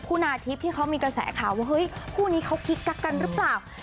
คุณาทิพย์ที่เขามีกระแสข่าวว่าเฮ้ยคู่นี้เขากิ๊กกักกันหรือเปล่า